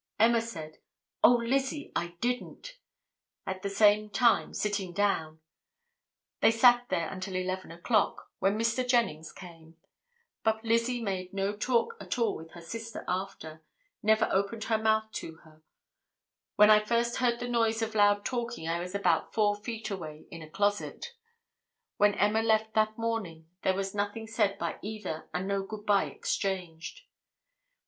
Emma said: 'Oh, Lizzie, I didn't;' at the same time sitting down; they sat there until 11 o'clock, when Mr. Jennings came, but Lizzie made no talk at all with her sister after; never opened her mouth to her; when I first heard the noise of loud talking I was about four feet away, in a closet; when Emma left that morning there was nothing said by either and no 'good bye' exchanged."